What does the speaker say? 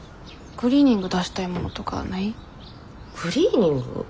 クリーニング？